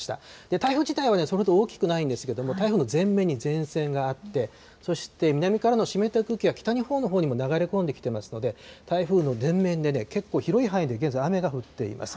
台風自体はそれほど大きくないんですけれども、台風の前面に前線があって、そして南からの湿った空気が北日本のほうにも流れ込んできてますので、台風の前面で、結構広い範囲で、現在雨が降っています。